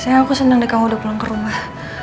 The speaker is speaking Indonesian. sayang aku seneng deh kamu udah pulang ke rumah